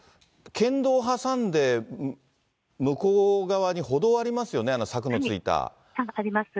県道を挟んで向こう側に歩道ありますよね、あります。